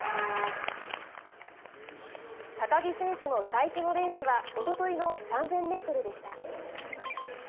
高木選手の最初のレースは、おとといの３０００メートルでした。